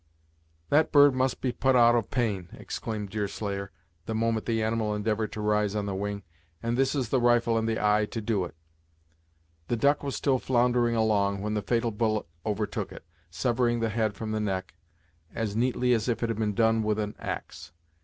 "That bird must be put out of pain," exclaimed Deerslayer, the moment the animal endeavored to rise on the wing, "and this is the rifle and the eye to do it." The duck was still floundering along, when the fatal bullet overtook it, severing the head from the neck as neatly as if it had been done with an axe.